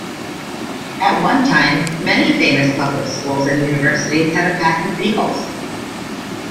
At one time, many famous public schools and universities had a pack of beagles.